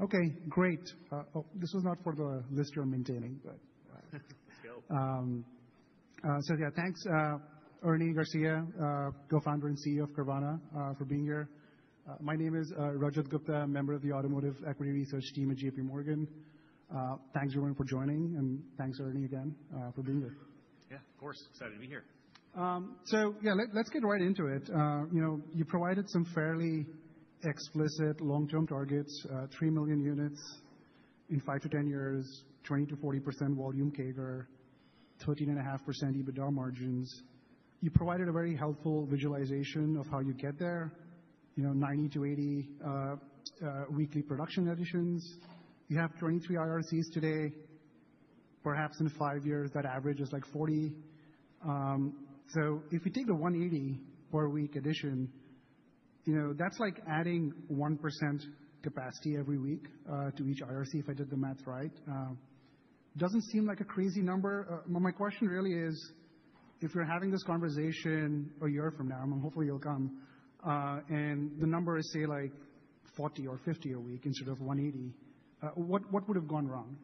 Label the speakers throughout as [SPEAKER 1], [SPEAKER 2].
[SPEAKER 1] Okay, great. Oh, this was not for the list you're maintaining, but.
[SPEAKER 2] Let's go.
[SPEAKER 1] Yeah, thanks, Ernie Garcia, co-founder and CEO of Carvana, for being here. My name is Rajat Gupta, member of the Automotive Equity Research team at JPMorgan. Thanks, everyone, for joining, and thanks, Ernie, again, for being here.
[SPEAKER 2] Yeah, of course. Excited to be here.
[SPEAKER 1] Yeah, let's get right into it. You provided some fairly explicit long-term targets: 3 million units in 5 to 10 years, 20%-40% volume CAGR, 13.5% EBITDA margins. You provided a very helpful visualization of how you get there, 90-80 weekly production additions. You have 23 IRCs today. Perhaps in five years, that average is like 40. If we take the 180 per week addition, that's like adding 1% capacity every week to each IRC, if I did the math right. Doesn't seem like a crazy number. My question really is, if we're having this conversation a year from now, and hopefully you'll come, and the number is, say, like 40 or 50 a week instead of 180, what would have gone wrong?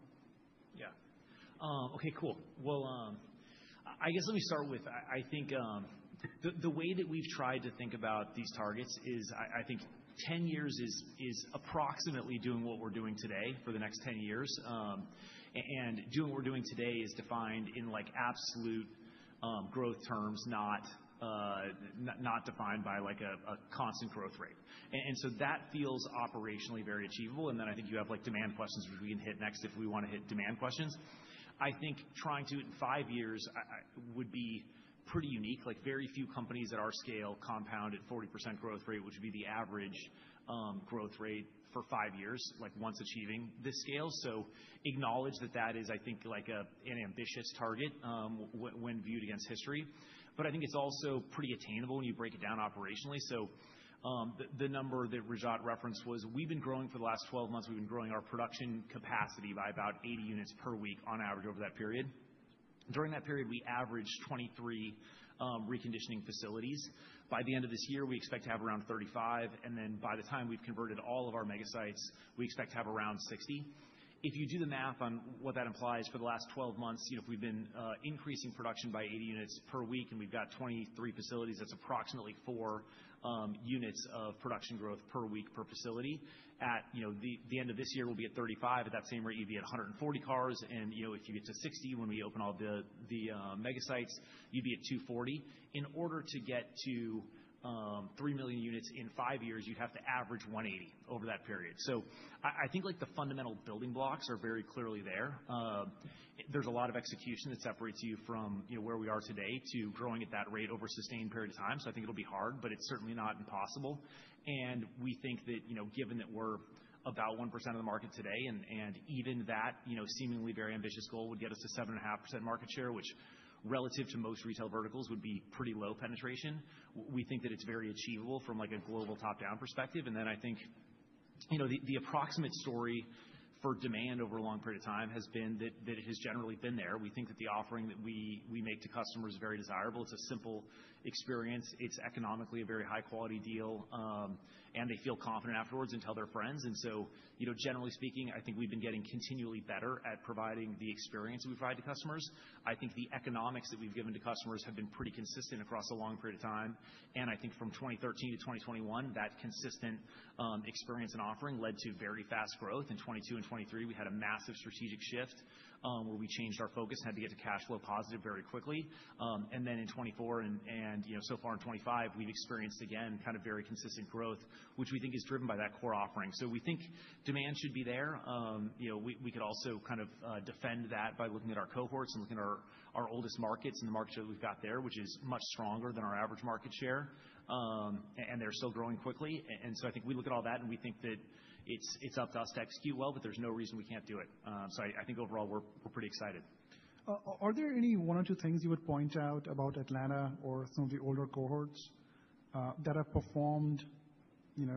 [SPEAKER 2] Yeah. Okay, cool. I guess let me start with, I think the way that we've tried to think about these targets is, I think 10 years is approximately doing what we're doing today for the next 10 years. Doing what we're doing today is defined in absolute growth terms, not defined by a constant growth rate. That feels operationally very achievable. I think you have demand questions, which we can hit next if we want to hit demand questions. I think trying to, in five years, would be pretty unique. Very few companies at our scale compound at 40% growth rate, which would be the average growth rate for five years, once achieving this scale. I acknowledge that that is, I think, an ambitious target when viewed against history. I think it's also pretty attainable when you break it down operationally. The number that Rajat referenced was, we've been growing for the last 12 months. We've been growing our production capacity by about 80 units per week on average over that period. During that period, we averaged 23 reconditioning facilities. By the end of this year, we expect to have around 35. By the time we've converted all of our mega sites, we expect to have around 60. If you do the math on what that implies for the last 12 months, if we've been increasing production by 80 units per week and we've got 23 facilities, that's approximately 4 units of production growth per week per facility. At the end of this year, we'll be at 35. At that same rate, you'd be at 140 cars. If you get to 60 when we open all the mega sites, you'd be at 240. In order to get to 3 million units in five years, you'd have to average 180 over that period. I think the fundamental building blocks are very clearly there. There's a lot of execution that separates you from where we are today to growing at that rate over a sustained period of time. I think it'll be hard, but it's certainly not impossible. We think that given that we're about 1% of the market today, and even that seemingly very ambitious goal would get us to 7.5% market share, which relative to most retail verticals would be pretty low penetration, we think that it's very achievable from a global top-down perspective. I think the approximate story for demand over a long period of time has been that it has generally been there. We think that the offering that we make to customers is very desirable. It's a simple experience. It's economically a very high-quality deal, and they feel confident afterwards and tell their friends. Generally speaking, I think we've been getting continually better at providing the experience that we provide to customers. I think the economics that we've given to customers have been pretty consistent across a long period of time. I think from 2013 to 2021, that consistent experience and offering led to very fast growth. In 2022 and 2023, we had a massive strategic shift where we changed our focus and had to get to cash flow positive very quickly. In 2024 and so far in 2025, we've experienced, again, kind of very consistent growth, which we think is driven by that core offering. We think demand should be there. We could also kind of defend that by looking at our cohorts and looking at our oldest markets and the market share that we've got there, which is much stronger than our average market share. They are still growing quickly. I think we look at all that and we think that it is up to us to execute well, but there is no reason we cannot do it. I think overall, we are pretty excited.
[SPEAKER 1] Are there any one or two things you would point out about Atlanta or some of the older cohorts that have performed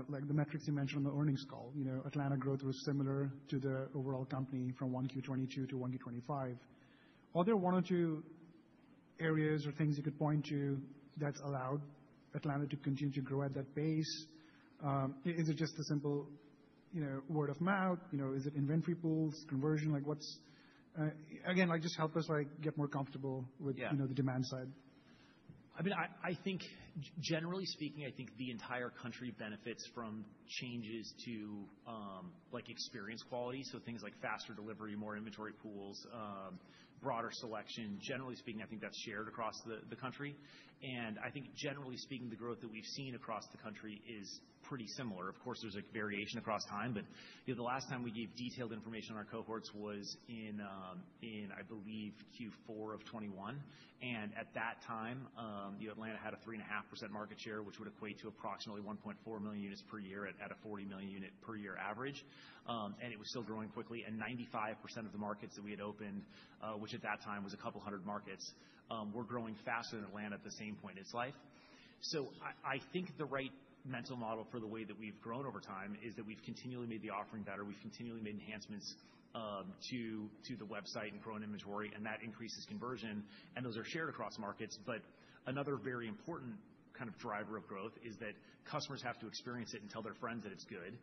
[SPEAKER 1] like the metrics you mentioned on the earnings call? Atlanta growth was similar to the overall company from 1Q 2022 to 1Q 2025. Are there one or two areas or things you could point to that's allowed Atlanta to continue to grow at that pace? Is it just the simple word of mouth? Is it inventory pools, conversion? Again, just help us get more comfortable with the demand side.
[SPEAKER 2] I mean, I think generally speaking, I think the entire country benefits from changes to experience quality. Things like faster delivery, more inventory pools, broader selection. Generally speaking, I think that's shared across the country. I think generally speaking, the growth that we've seen across the country is pretty similar. Of course, there's variation across time, but the last time we gave detailed information on our cohorts was in, I believe, Q4 of 2021. At that time, Atlanta had a 3.5% market share, which would equate to approximately 1.4 million units per year at a 40 million unit per year average. It was still growing quickly. 95% of the markets that we had opened, which at that time was a couple hundred markets, were growing faster than Atlanta at the same point in its life. I think the right mental model for the way that we've grown over time is that we've continually made the offering better. We've continually made enhancements to the website and grown inventory, and that increases conversion. Those are shared across markets. Another very important kind of driver of growth is that customers have to experience it and tell their friends that it's good.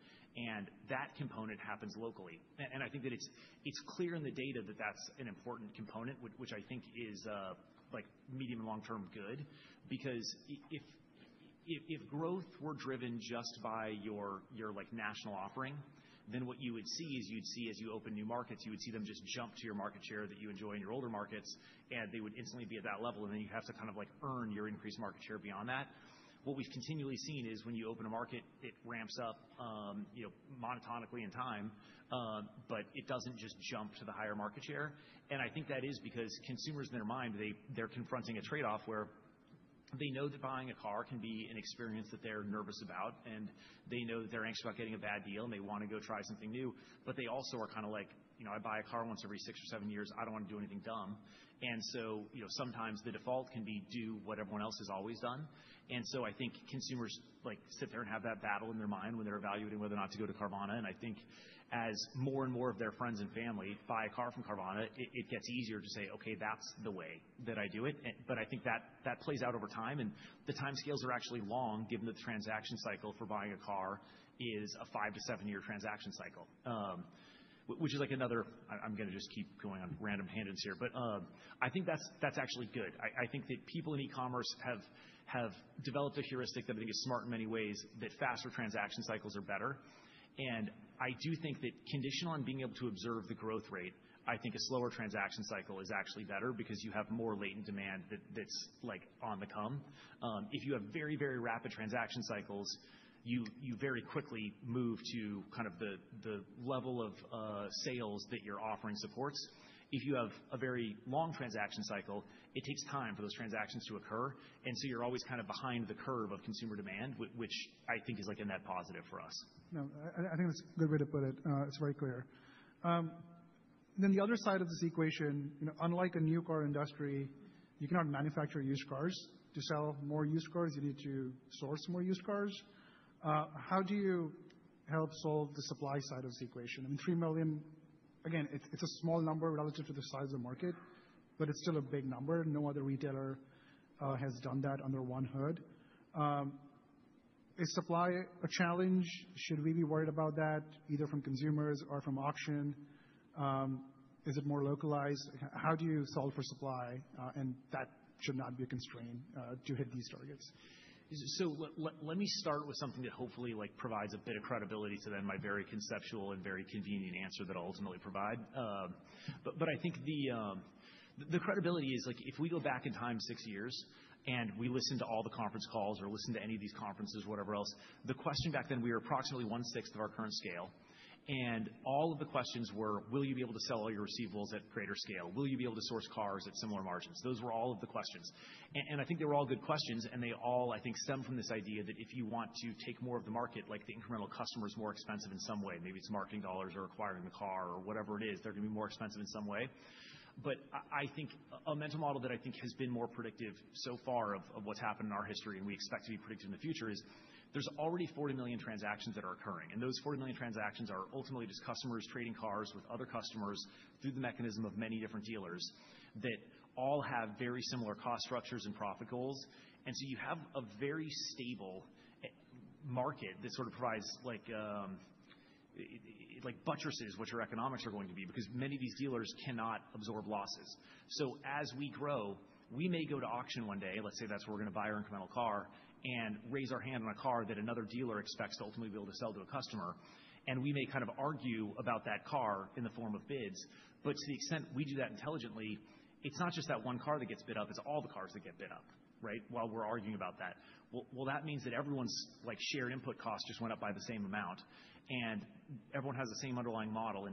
[SPEAKER 2] That component happens locally. I think that it's clear in the data that that's an important component, which I think is medium and long-term good. Because if growth were driven just by your national offering, then what you would see is you'd see as you open new markets, you would see them just jump to your market share that you enjoy in your older markets, and they would instantly be at that level. You have to kind of earn your increased market share beyond that. What we've continually seen is when you open a market, it ramps up monotonically in time, but it does not just jump to the higher market share. I think that is because consumers, in their mind, they are confronting a trade-off where they know that buying a car can be an experience that they are nervous about, and they know that they are anxious about getting a bad deal, and they want to go try something new. They also are kind of like, "I buy a car once every six or seven years. I do not want to do anything dumb." Sometimes the default can be do what everyone else has always done. I think consumers sit there and have that battle in their mind when they are evaluating whether or not to go to Carvana. I think as more and more of their friends and family buy a car from Carvana, it gets easier to say, "Okay, that's the way that I do it." I think that plays out over time. The time scales are actually long, given that the transaction cycle for buying a car is a five to seven-year transaction cycle, which is like another—I am going to just keep going on random tangents here. I think that is actually good. I think that people in e-commerce have developed a heuristic that I think is smart in many ways that faster transaction cycles are better. I do think that conditional on being able to observe the growth rate, I think a slower transaction cycle is actually better because you have more latent demand that is on the come. If you have very, very rapid transaction cycles, you very quickly move to kind of the level of sales that your offering supports. If you have a very long transaction cycle, it takes time for those transactions to occur. You are always kind of behind the curve of consumer demand, which I think is a net positive for us.
[SPEAKER 1] No, I think that's a good way to put it. It's very clear. The other side of this equation, unlike a new car industry, you cannot manufacture used cars. To sell more used cars, you need to source more used cars. How do you help solve the supply side of this equation? I mean, 3 million, again, it's a small number relative to the size of the market, but it's still a big number. No other retailer has done that under one hood. Is supply a challenge? Should we be worried about that, either from consumers or from auction? Is it more localized? How do you solve for supply? That should not be a constraint to hit these targets.
[SPEAKER 2] Let me start with something that hopefully provides a bit of credibility to then my very conceptual and very convenient answer that I'll ultimately provide. I think the credibility is if we go back in time six years and we listen to all the conference calls or listen to any of these conferences, whatever else, the question back then, we were approximately one-sixth of our current scale. All of the questions were, "Will you be able to sell all your receivables at greater scale? Will you be able to source cars at similar margins?" Those were all of the questions. I think they were all good questions. I think they all stem from this idea that if you want to take more of the market, like the incremental customer is more expensive in some way, maybe it's marketing dollars or acquiring the car or whatever it is, they're going to be more expensive in some way. I think a mental model that has been more predictive so far of what's happened in our history and we expect to be predictive in the future is there's already 40 million transactions that are occurring. Those 40 million transactions are ultimately just customers trading cars with other customers through the mechanism of many different dealers that all have very similar cost structures and profit goals. You have a very stable market that sort of provides buttresses for what your economics are going to be because many of these dealers cannot absorb losses. As we grow, we may go to auction one day, let's say that's where we're going to buy our incremental car, and raise our hand on a car that another dealer expects to ultimately be able to sell to a customer. We may kind of argue about that car in the form of bids. To the extent we do that intelligently, it's not just that one car that gets bid up, it's all the cars that get bid up, right? While we're arguing about that, that means that everyone's shared input cost just went up by the same amount. Everyone has the same underlying model.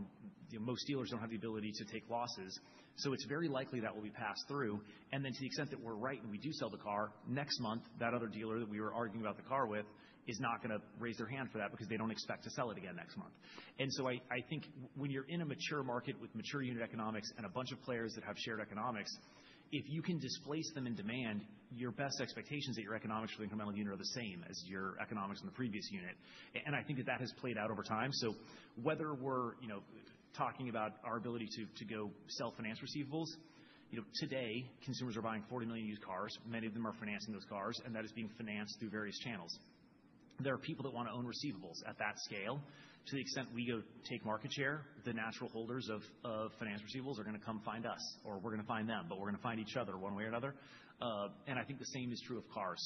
[SPEAKER 2] Most dealers don't have the ability to take losses. It is very likely that will be passed through. To the extent that we're right and we do sell the car, next month, that other dealer that we were arguing about the car with is not going to raise their hand for that because they do not expect to sell it again next month. I think when you're in a mature market with mature unit economics and a bunch of players that have shared economics, if you can displace them in demand, your best expectation is that your economics for the incremental unit are the same as your economics in the previous unit. I think that that has played out over time. Whether we're talking about our ability to go sell financed receivables, today, consumers are buying 40 million cars. Many of them are financing those cars, and that is being financed through various channels. There are people that want to own receivables at that scale. To the extent we go take market share, the natural holders of financed receivables are going to come find us, or we're going to find them, but we're going to find each other one way or another. I think the same is true of cars.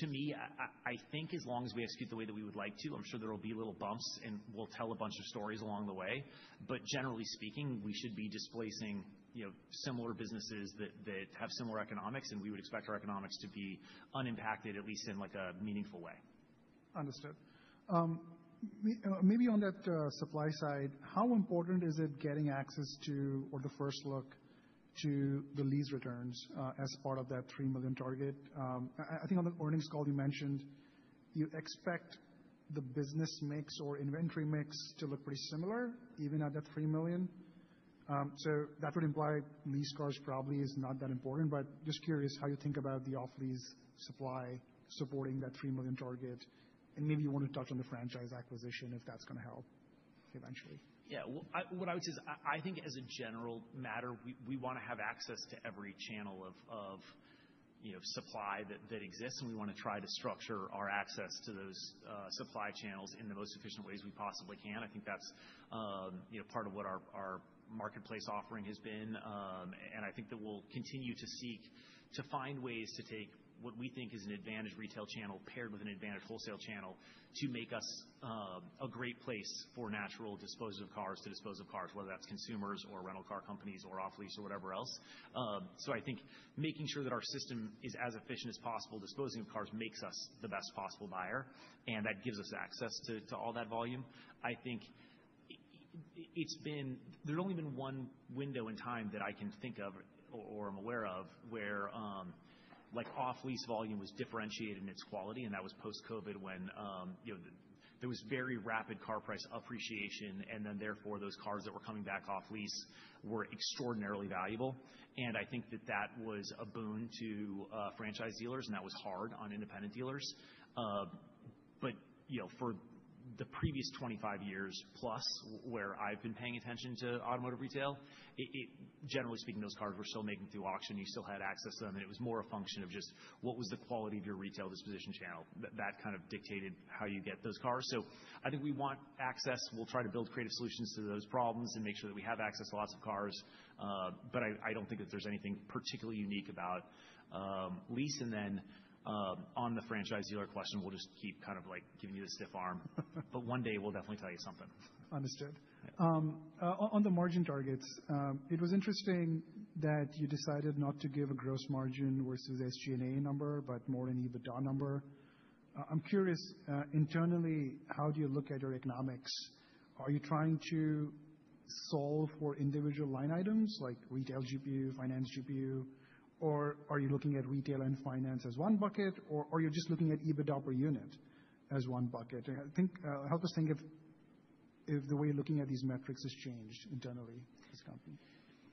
[SPEAKER 2] To me, I think as long as we execute the way that we would like to, I'm sure there will be little bumps and we'll tell a bunch of stories along the way. Generally speaking, we should be displacing similar businesses that have similar economics, and we would expect our economics to be unimpacted, at least in a meaningful way.
[SPEAKER 1] Understood. Maybe on that supply side, how important is it getting access to, or the first look to the lease returns as part of that 3 million target? I think on the earnings call, you mentioned you expect the business mix or inventory mix to look pretty similar even at that 3 million. That would imply lease cars probably is not that important, but just curious how you think about the off-lease supply supporting that 3 million target. Maybe you want to touch on the franchise acquisition if that's going to help eventually.
[SPEAKER 2] Yeah. What I would say is I think as a general matter, we want to have access to every channel of supply that exists, and we want to try to structure our access to those supply channels in the most efficient ways we possibly can. I think that's part of what our marketplace offering has been. I think that we'll continue to seek to find ways to take what we think is an advantaged retail channel paired with an advantaged wholesale channel to make us a great place for natural disposal of cars to dispose of cars, whether that's consumers or rental car companies or off-lease or whatever else. I think making sure that our system is as efficient as possible disposing of cars makes us the best possible buyer, and that gives us access to all that volume. I think there's only been one window in time that I can think of or I'm aware of where off-lease volume was differentiated in its quality, and that was post-COVID when there was very rapid car price appreciation, and therefore those cars that were coming back off-lease were extraordinarily valuable. I think that that was a boon to franchise dealers, and that was hard on independent dealers. For the previous 25 years plus where I've been paying attention to automotive retail, generally speaking, those cars were still making it through auction. You still had access to them, and it was more a function of just what was the quality of your retail disposition channel. That kind of dictated how you get those cars. I think we want access. We'll try to build creative solutions to those problems and make sure that we have access to lots of cars. I don't think that there's anything particularly unique about lease. On the franchise dealer question, we'll just keep kind of giving you the stiff arm. One day, we'll definitely tell you something.
[SPEAKER 1] Understood. On the margin targets, it was interesting that you decided not to give a gross margin versus SG&A number, but more an EBITDA number. I'm curious internally, how do you look at your economics? Are you trying to solve for individual line items like retail GPU, finance GPU, or are you looking at retail and finance as one bucket, or are you just looking at EBITDA per unit as one bucket? Help us think if the way you're looking at these metrics has changed internally as a company.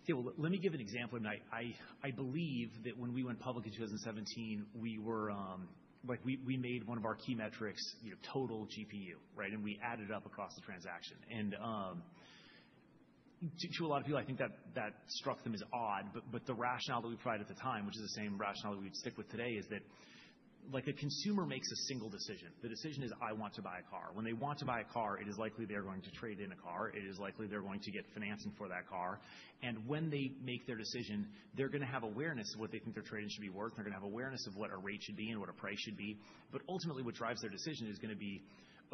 [SPEAKER 2] Yeah, let me give an example. I believe that when we went public in 2017, we made one of our key metrics total GPU, right? We added it up across the transaction. To a lot of people, I think that struck them as odd, but the rationale that we provided at the time, which is the same rationale that we would stick with today, is that the consumer makes a single decision. The decision is, "I want to buy a car." When they want to buy a car, it is likely they're going to trade in a car. It is likely they're going to get financing for that car. When they make their decision, they're going to have awareness of what they think their trade-in should be worth. They're going to have awareness of what a rate should be and what a price should be. Ultimately, what drives their decision is going to be,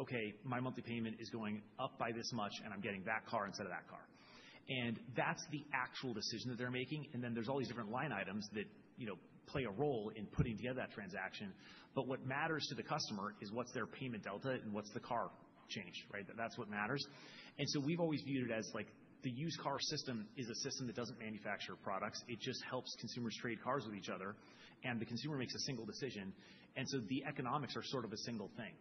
[SPEAKER 2] "Okay, my monthly payment is going up by this much, and I'm getting that car instead of that car." That is the actual decision that they're making. There are all these different line items that play a role in putting together that transaction. What matters to the customer is what their payment delta is and what the car changed, right? That is what matters. We have always viewed it as the used car system is a system that does not manufacture products. It just helps consumers trade cars with each other, and the consumer makes a single decision. The economics are sort of a single thing.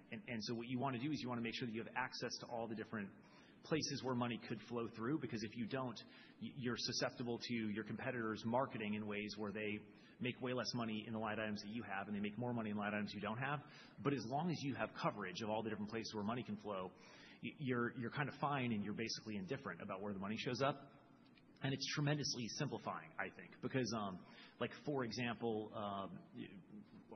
[SPEAKER 2] What you want to do is make sure that you have access to all the different places where money could flow through. Because if you do not, you are susceptible to your competitors marketing in ways where they make way less money in the line items that you have, and they make more money in the line items you do not have. As long as you have coverage of all the different places where money can flow, you are kind of fine and you are basically indifferent about where the money shows up. It is tremendously simplifying, I think. For example,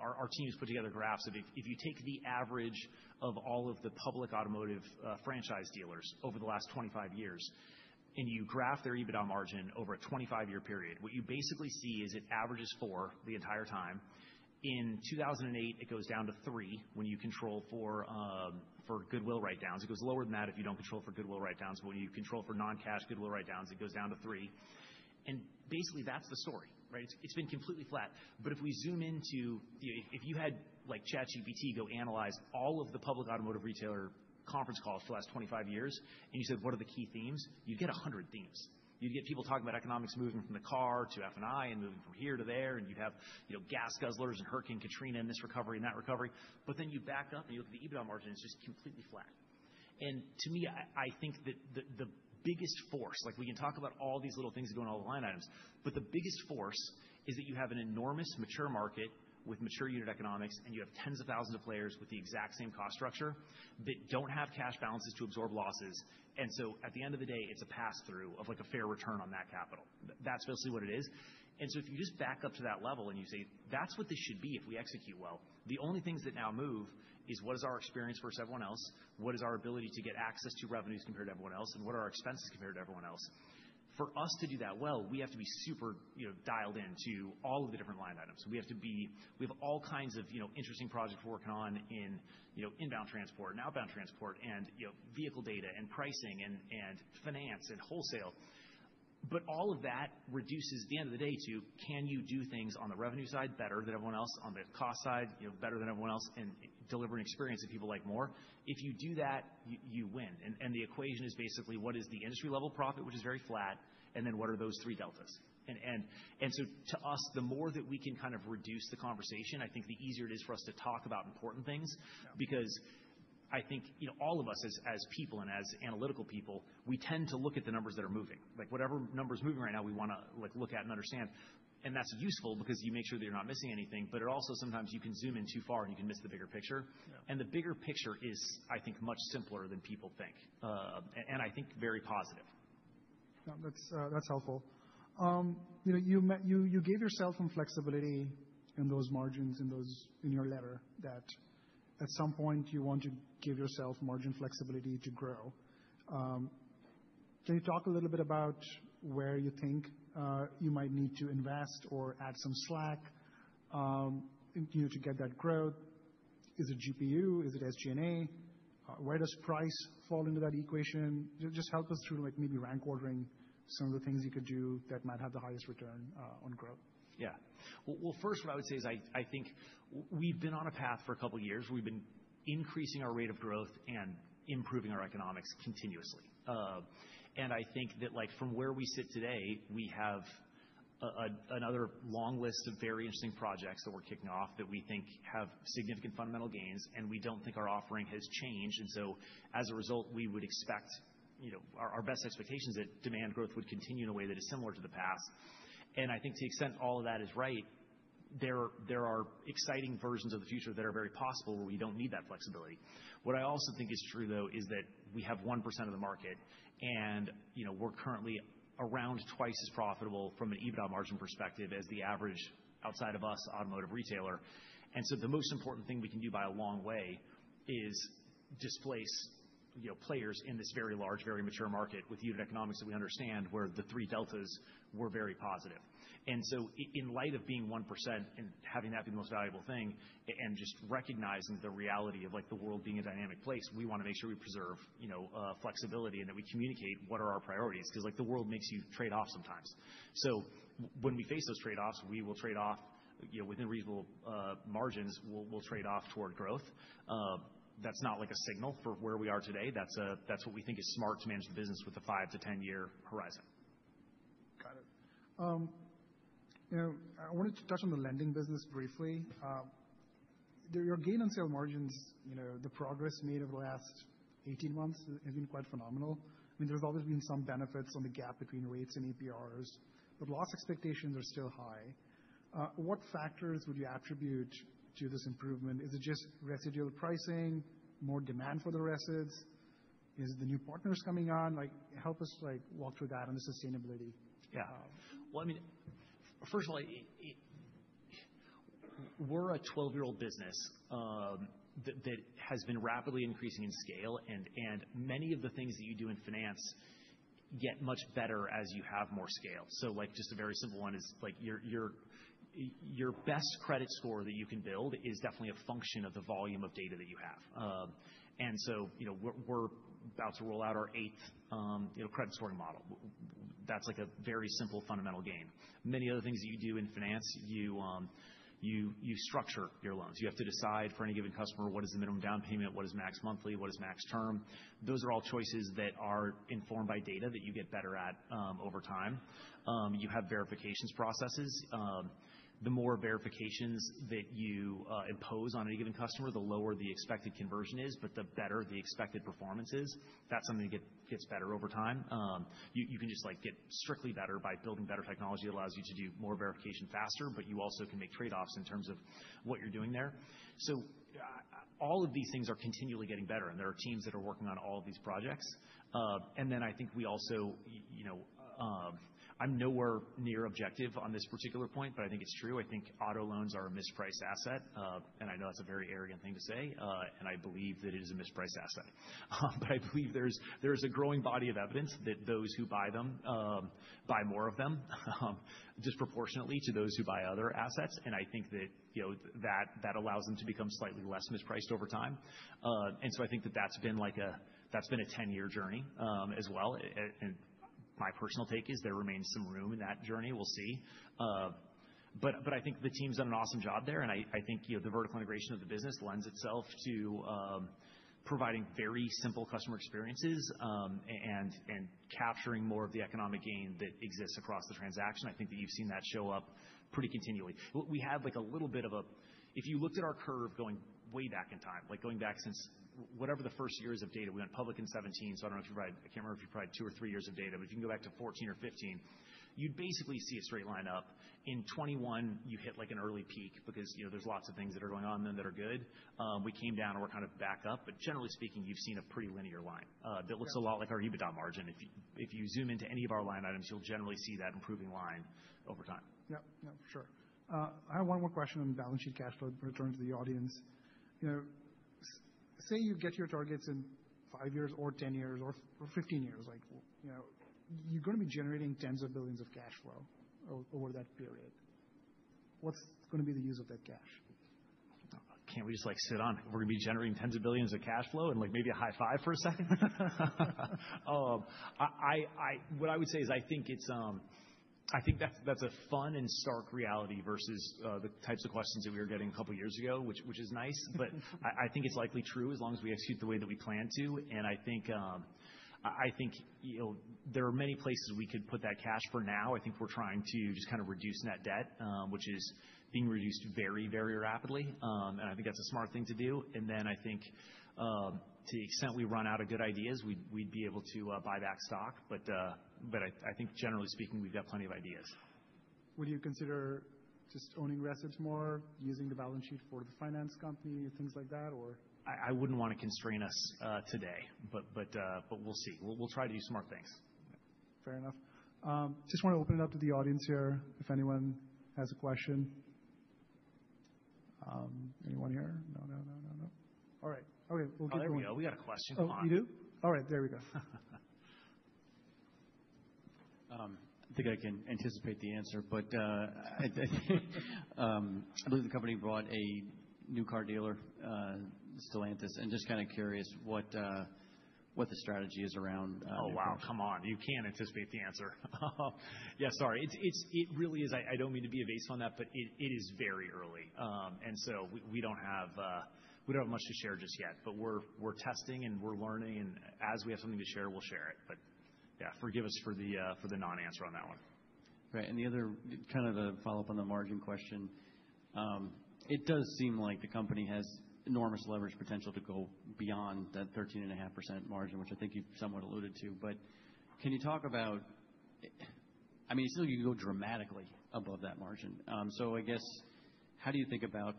[SPEAKER 2] our team has put together graphs of if you take the average of all of the public automotive franchise dealers over the last 25 years and you graph their EBITDA margin over a 25-year period, what you basically see is it averages four the entire time. In 2008, it goes down to three when you control for goodwill write-downs. It goes lower than that if you do not control for goodwill write-downs. When you control for non-cash goodwill write-downs, it goes down to three. Basically, that's the story, right? It's been completely flat. If we zoom into if you had ChatGPT go analyze all of the public automotive retailer conference calls for the last 25 years and you said, "What are the key themes?" You'd get 100 themes. You'd get people talking about economics moving from the car to F&I and moving from here to there. You'd have gas guzzlers and Hurricane Katrina and this recovery and that recovery. You back up and you look at the EBITDA margin, it's just completely flat. To me, I think that the biggest force—we can talk about all these little things that go on, all the line items—the biggest force is that you have an enormous mature market with mature unit economics, and you have tens of thousands of players with the exact same cost structure that do not have cash balances to absorb losses. At the end of the day, it is a pass-through of a fair return on that capital. That is basically what it is. If you just back up to that level and you say, "That is what this should be if we execute well," the only things that now move are what is our experience versus everyone else, what is our ability to get access to revenues compared to everyone else, and what are our expenses compared to everyone else. For us to do that well, we have to be super dialed into all of the different line items. We have all kinds of interesting projects we're working on in inbound transport and outbound transport and vehicle data and pricing and finance and wholesale. All of that reduces at the end of the day to, can you do things on the revenue side better than everyone else, on the cost side better than everyone else, and deliver an experience that people like more? If you do that, you win. The equation is basically, what is the industry-level profit, which is very flat, and then what are those three deltas? To us, the more that we can kind of reduce the conversation, I think the easier it is for us to talk about important things. Because I think all of us as people and as analytical people, we tend to look at the numbers that are moving. Whatever number is moving right now, we want to look at and understand. That's useful because you make sure that you're not missing anything. It also sometimes you can zoom in too far and you can miss the bigger picture. The bigger picture is, I think, much simpler than people think, and I think very positive.
[SPEAKER 1] That's helpful. You gave yourself some flexibility in those margins in your letter that at some point you want to give yourself margin flexibility to grow. Can you talk a little bit about where you think you might need to invest or add some slack to get that growth? Is it GPU? Is it SG&A? Where does price fall into that equation? Just help us through maybe rank ordering some of the things you could do that might have the highest return on growth.
[SPEAKER 2] Yeah. First, what I would say is I think we've been on a path for a couple of years. We've been increasing our rate of growth and improving our economics continuously. I think that from where we sit today, we have another long list of very interesting projects that we're kicking off that we think have significant fundamental gains, and we don't think our offering has changed. As a result, we would expect our best expectations that demand growth would continue in a way that is similar to the past. I think to the extent all of that is right, there are exciting versions of the future that are very possible where we don't need that flexibility. What I also think is true, though, is that we have 1% of the market, and we're currently around twice as profitable from an EBITDA margin perspective as the average outside of us automotive retailer. The most important thing we can do by a long way is displace players in this very large, very mature market with unit economics that we understand where the three deltas were very positive. In light of being 1% and having that be the most valuable thing and just recognizing the reality of the world being a dynamic place, we want to make sure we preserve flexibility and that we communicate what are our priorities because the world makes you trade-offs sometimes. When we face those trade-offs, we will trade off within reasonable margins. We'll trade off toward growth. That's not a signal for where we are today. That's what we think is smart to manage the business with a 5-10 year horizon.
[SPEAKER 1] Got it. I wanted to touch on the lending business briefly. Your gain and sale margins, the progress made over the last 18 months has been quite phenomenal. I mean, there's always been some benefits on the gap between rates and EPRs, but loss expectations are still high. What factors would you attribute to this improvement? Is it just residual pricing, more demand for the resids? Is it the new partners coming on? Help us walk through that and the sustainability.
[SPEAKER 2] Yeah. I mean, first of all, we're a 12-year-old business that has been rapidly increasing in scale, and many of the things that you do in finance get much better as you have more scale. Just a very simple one is your best credit score that you can build is definitely a function of the volume of data that you have. We're about to roll out our eighth credit scoring model. That's a very simple fundamental gain. Many of the things that you do in finance, you structure your loans. You have to decide for any given customer what is the minimum down payment, what is max monthly, what is max term. Those are all choices that are informed by data that you get better at over time. You have verifications processes. The more verifications that you impose on any given customer, the lower the expected conversion is, but the better the expected performance is. That is something that gets better over time. You can just get strictly better by building better technology that allows you to do more verification faster, but you also can make trade-offs in terms of what you are doing there. All of these things are continually getting better, and there are teams that are working on all of these projects. I think we also, I am nowhere near objective on this particular point, but I think it is true. I think auto loans are a mispriced asset, and I know that is a very arrogant thing to say, and I believe that it is a mispriced asset. I believe there's a growing body of evidence that those who buy them buy more of them disproportionately to those who buy other assets. I think that that allows them to become slightly less mispriced over time. I think that that's been a 10-year journey as well. My personal take is there remains some room in that journey. We'll see. I think the team's done an awesome job there, and I think the vertical integration of the business lends itself to providing very simple customer experiences and capturing more of the economic gain that exists across the transaction. I think that you've seen that show up pretty continually. We had a little bit of a, if you looked at our curve going way back in time, going back since whatever the first years of data we went public in 2017, so I do not know if you provided, I cannot remember if you provided two or three years of data, but if you can go back to 2014 or 2015, you would basically see a straight line up. In 2021, you hit an early peak because there are lots of things that are going on then that are good. We came down and we are kind of back up. Generally speaking, you have seen a pretty linear line that looks a lot like our EBITDA margin. If you zoom into any of our line items, you will generally see that improving line over time.
[SPEAKER 1] Yeah, yeah, for sure. I have one more question on balance sheet cash flow to return to the audience. Say you get your targets in 5 years or 10 years or 15 years. You're going to be generating tens of billions of cash flow over that period. What's going to be the use of that cash?
[SPEAKER 2] Can't we just sit on it? We're going to be generating tens of billions of cash flow and maybe a high five for a second? What I would say is I think that's a fun and stark reality versus the types of questions that we were getting a couple of years ago, which is nice. I think it's likely true as long as we execute the way that we plan to. I think there are many places we could put that cash for now. I think we're trying to just kind of reduce net debt, which is being reduced very, very rapidly. I think that's a smart thing to do. To the extent we run out of good ideas, we'd be able to buy back stock. I think generally speaking, we've got plenty of ideas.
[SPEAKER 1] Would you consider just owning resids more, using the balance sheet for the finance company, things like that?
[SPEAKER 2] I wouldn't want to constrain us today, but we'll see. We'll try to do smart things.
[SPEAKER 1] Fair enough. Just want to open it up to the audience here if anyone has a question. Anyone here? No? All right. Okay. We'll give you a mic.
[SPEAKER 2] We got a question on.
[SPEAKER 1] Oh, you do? All right. There we go. I think I can anticipate the answer, but I believe the company brought a new car dealer, Stellantis, and just kind of curious what the strategy is around.
[SPEAKER 2] Oh, wow. Come on. You can't anticipate the answer. Yeah, sorry. It really is. I don't mean to be evasive on that, but it is very early. We don't have much to share just yet, but we're testing and we're learning. As we have something to share, we'll share it. Yeah, forgive us for the non-answer on that one. Right. The other kind of the follow-up on the margin question, it does seem like the company has enormous leverage potential to go beyond that 13.5% margin, which I think you've somewhat alluded to. Can you talk about, I mean, it's still going to go dramatically above that margin. I guess how do you think about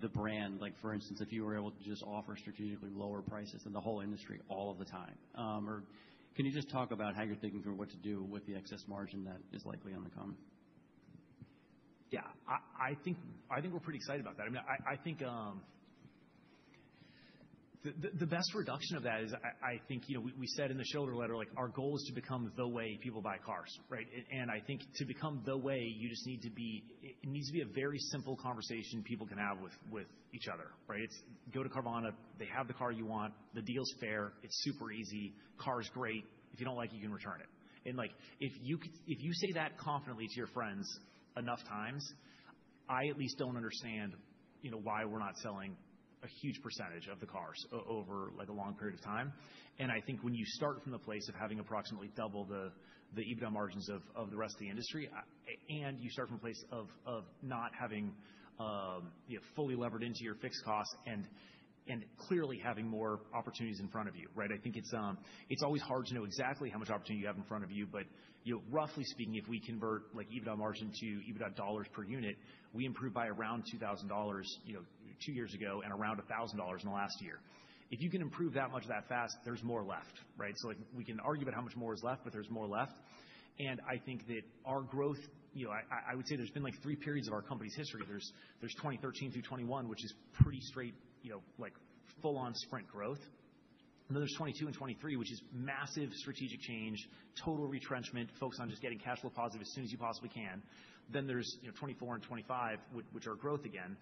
[SPEAKER 2] the brand? For instance, if you were able to just offer strategically lower prices than the whole industry all of the time, or can you just talk about how you're thinking through what to do with the excess margin that is likely on the come? Yeah. I think we're pretty excited about that. I mean, I think the best reduction of that is I think we said in the shoulder letter, our goal is to become the way people buy cars, right? I think to become the way, you just need to be, it needs to be a very simple conversation people can have with each other, right? It's go to Carvana. They have the car you want. The deal's fair. It's super easy. Car's great. If you don't like it, you can return it. If you say that confidently to your friends enough times, I at least don't understand why we're not selling a huge percentage of the cars over a long period of time. I think when you start from the place of having approximately double the EBITDA margins of the rest of the industry, and you start from a place of not having fully levered into your fixed costs and clearly having more opportunities in front of you, right? I think it's always hard to know exactly how much opportunity you have in front of you, but roughly speaking, if we convert EBITDA margin to EBITDA dollars per unit, we improved by around $2,000 two years ago and around $1,000 in the last year. If you can improve that much that fast, there's more left, right? We can argue about how much more is left, but there's more left. I think that our growth, I would say there's been three periods of our company's history. There's 2013 through 2021, which is pretty straight, full-on sprint growth. There is 2022 and 2023, which is massive strategic change, total retrenchment, focus on just getting cash flow positive as soon as you possibly can. There is 2024 and 2025, which are growth again.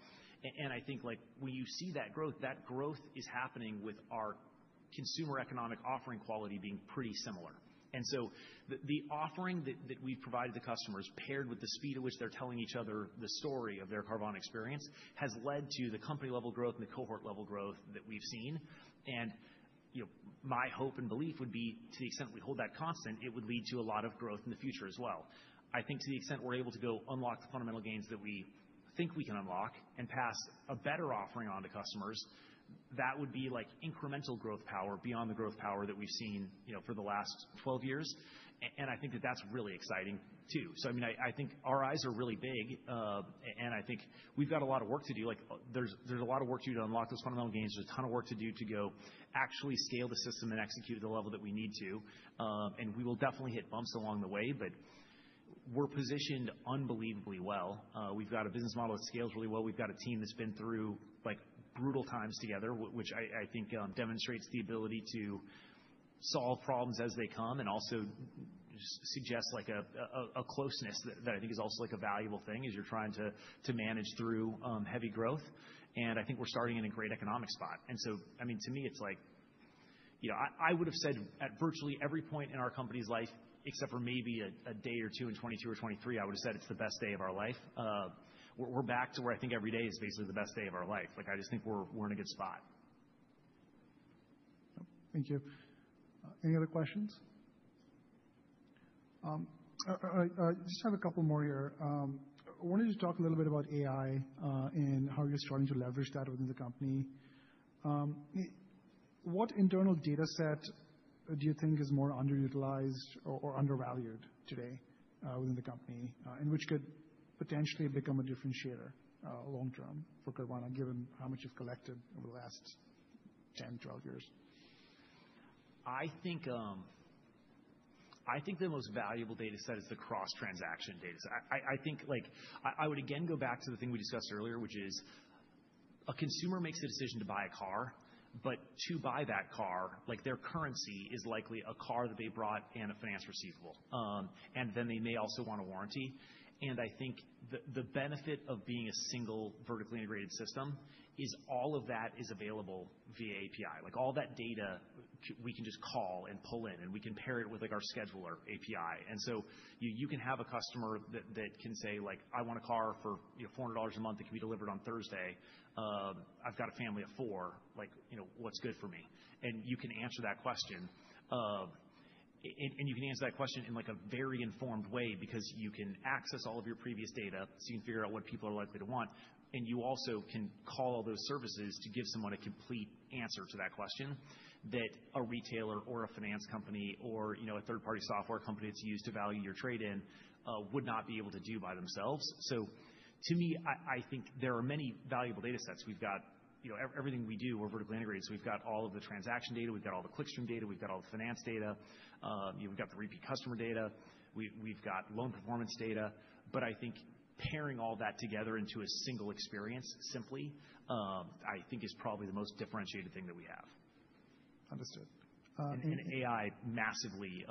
[SPEAKER 2] I think when you see that growth, that growth is happening with our consumer economic offering quality being pretty similar. The offering that we've provided the customers, paired with the speed at which they're telling each other the story of their Carvana experience, has led to the company-level growth and the cohort-level growth that we've seen. My hope and belief would be, to the extent we hold that constant, it would lead to a lot of growth in the future as well. I think to the extent we're able to go unlock the fundamental gains that we think we can unlock and pass a better offering on to customers, that would be incremental growth power beyond the growth power that we've seen for the last 12 years. I think that that's really exciting too. I mean, I think our eyes are really big, and I think we've got a lot of work to do. There's a lot of work to do to unlock those fundamental gains. There's a ton of work to do to go actually scale the system and execute at the level that we need to. We will definitely hit bumps along the way, but we're positioned unbelievably well. We've got a business model that scales really well. We've got a team that's been through brutal times together, which I think demonstrates the ability to solve problems as they come and also suggests a closeness that I think is also a valuable thing as you're trying to manage through heavy growth. I think we're starting in a great economic spot. I mean, to me, it's like I would have said at virtually every point in our company's life, except for maybe a day or two in 2022 or 2023, I would have said it's the best day of our life. We're back to where I think every day is basically the best day of our life. I just think we're in a good spot.
[SPEAKER 1] Thank you. Any other questions? I just have a couple more here. I wanted to talk a little bit about AI and how you're starting to leverage that within the company. What internal dataset do you think is more underutilized or undervalued today within the company and which could potentially become a differentiator long-term for Carvana, given how much you've collected over the last 10/12 years?
[SPEAKER 2] I think the most valuable dataset is the cross-transaction dataset. I think I would again go back to the thing we discussed earlier, which is a consumer makes a decision to buy a car, but to buy that car, their currency is likely a car that they brought and a finance receivable. They may also want a warranty. I think the benefit of being a single vertically integrated system is all of that is available via API. All that data we can just call and pull in, and we can pair it with our scheduler API. You can have a customer that can say, "I want a car for $400 a month that can be delivered on Thursday. I've got a family of four. What's good for me?" You can answer that question. You can answer that question in a very informed way because you can access all of your previous data, so you can figure out what people are likely to want. You also can call all those services to give someone a complete answer to that question that a retailer or a finance company or a third-party software company that's used to value your trade-in would not be able to do by themselves. To me, I think there are many valuable datasets. Everything we do, we're vertically integrated. We've got all of the transaction data. We've got all the clickstream data. We've got all the finance data. We've got the repeat customer data. We've got loan performance data. I think pairing all that together into a single experience simply, I think is probably the most differentiated thing that we have.
[SPEAKER 1] Understood.
[SPEAKER 2] AI massively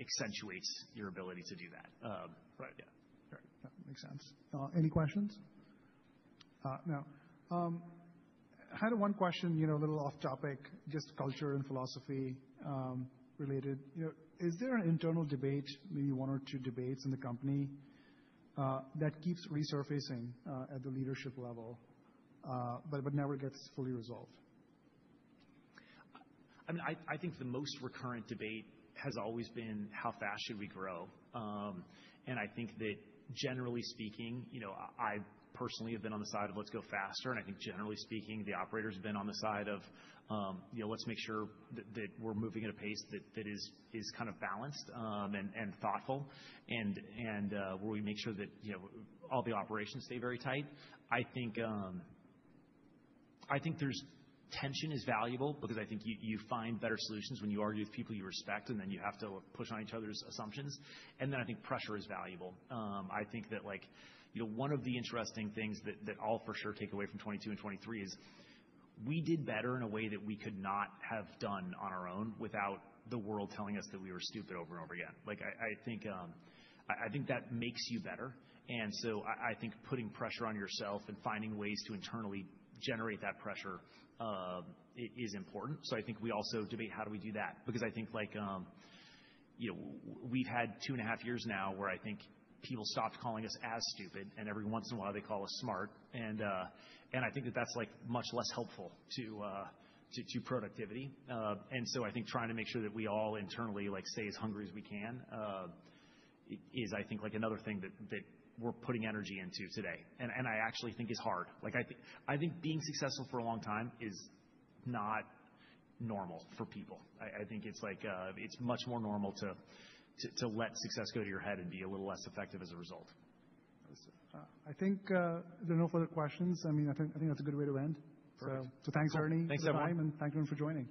[SPEAKER 2] accentuates your ability to do that.
[SPEAKER 1] Right. Yeah. Right. That makes sense. Any questions? No. I had one question, a little off-topic, just culture and philosophy related. Is there an internal debate, maybe one or two debates in the company, that keeps resurfacing at the leadership level but never gets fully resolved?
[SPEAKER 2] I mean, I think the most recurrent debate has always been how fast should we grow. I think that generally speaking, I personally have been on the side of let's go faster. I think generally speaking, the operator's been on the side of let's make sure that we're moving at a pace that is kind of balanced and thoughtful and where we make sure that all the operations stay very tight. I think this tension is valuable because I think you find better solutions when you argue with people you respect, and then you have to push on each other's assumptions. I think pressure is valuable. I think that one of the interesting things that I'll for sure take away from 2022 and 2023 is we did better in a way that we could not have done on our own without the world telling us that we were stupid over and over again. I think that makes you better. I think putting pressure on yourself and finding ways to internally generate that pressure is important. I think we also debate how do we do that because I think we've had two and a half years now where I think people stopped calling us as stupid, and every once in a while they call us smart. I think that that's much less helpful to productivity. I think trying to make sure that we all internally stay as hungry as we can is, I think, another thing that we are putting energy into today and I actually think is hard. I think being successful for a long time is not normal for people. I think it is much more normal to let success go to your head and be a little less effective as a result.
[SPEAKER 1] Understood. I think there are no further questions. I mean, I think that's a good way to end.
[SPEAKER 2] Perfect.
[SPEAKER 1] Thanks, Ernie.
[SPEAKER 2] Thanks, everyone.
[SPEAKER 1] Thanks everyone for joining.